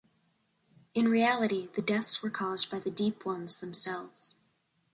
In reality, the deaths were caused by the Deep Ones themselves.